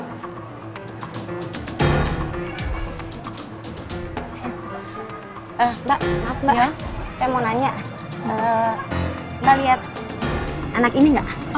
saya mau nanya mbak liat anak ini gak